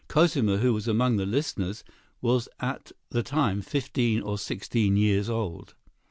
Cosima, who was among the listeners, was at the time fifteen or sixteen years old.